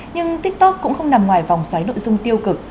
nhưng tiktok cũng không nằm ngoài vòng xoáy nội dung tiêu cực